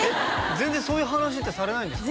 全然そういう話ってされないんですか？